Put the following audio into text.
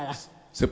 先輩。